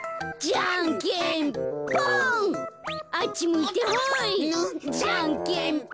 じゃんけんぽん。